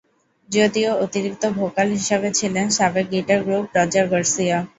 যদিও অতিরিক্ত ভোকাল হিসাবে ছিলেন সাবেক গিটার গ্রুপ রজার গার্সিয়া।